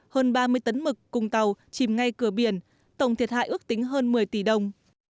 hơn ba mươi tấn mực cùng tàu chìm ngay cửa biển tổng thiệt hại ước tính hơn một mươi tỷ đồng